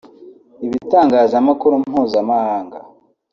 ibitangzamakuru mpuzamahanga